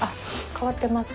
変わってます。